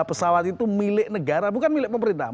pesawat itu milik negara bukan milik pemerintah